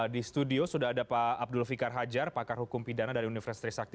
di studio sudah ada pak abdul fikar hajar pakar hukum pidana dari universitas trisakti